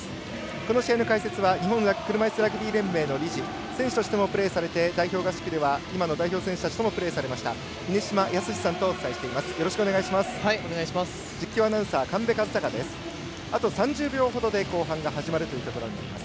この試合の解説は日本車いすラグビー連盟の理事選手としてもプレーされて代表合宿では今の代表選手たちともプレーしました峰島靖さんとお伝えします。